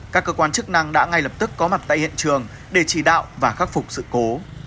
các cơ quan chức năng đã ngay lập tức có mặt tại hiện trường để chỉ đạo và khắc phục sự cố